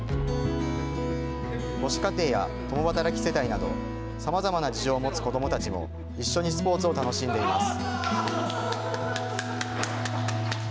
母子家庭や共働き世帯などさまざまな事情を持つ子どもたちも一緒にスポーツを楽しんでいます。